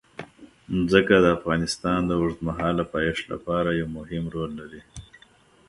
ځمکه د افغانستان د اوږدمهاله پایښت لپاره یو مهم رول لري.